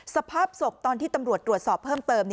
สภาพศพตอนที่ตำรวจตรวจสอบเพิ่มเติม